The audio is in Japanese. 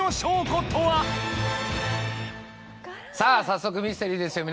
早速ミステリーですよ